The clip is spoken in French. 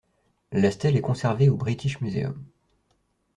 La stèle est conservée au British Museum.